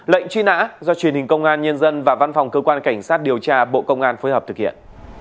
lệnh truy nã do truyền hình công an nhân dân và văn phòng cơ quan cảnh sát điều tra bộ công an phối hợp thực hiện